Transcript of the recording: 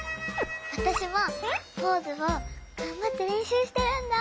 わたしもポーズをがんばってれんしゅうしてるんだ。